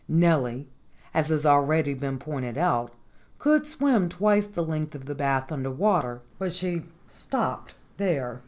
Nellie, as has already been pointed out, could swim twice the length of the bath under water. But she stopped there.